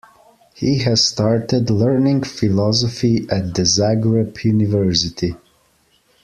He has started learning philosophy at the Zagreb University.